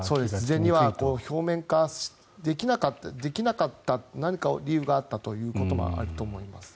事前には表面化できなかった何か理由があったということもあると思います。